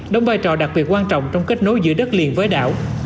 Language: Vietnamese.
đóng vai trò đặc biệt quan trọng trong kết nối giữa đất liền với đảo